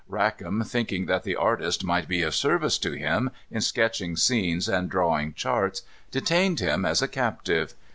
Rackam, thinking that the artist might be of service to him, in sketching scenes and drawing charts, detained him as a captive.